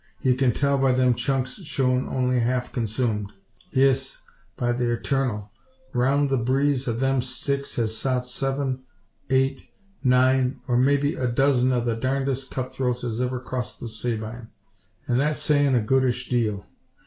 Ye kin tell by them chunks showin' only half consoomed. Yis, by the Eturnal! Roun' the bleeze o' them sticks has sot seven, eight, nine, or may be a dozen, o' the darndest cut throats as ever crossed the Sabine; an' that's sayin' a goodish deal.